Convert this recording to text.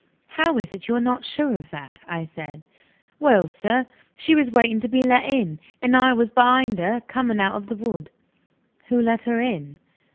"How is it you are not sure of that?" I said. "Well, sir, she was waiting to be let in; and I was behind her, coming out of the wood." "Who let her in?"